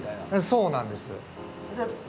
そうなんです。